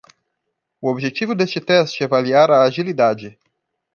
O objetivo deste teste é avaliar a agilidade.